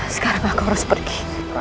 sekarang aku harus pergi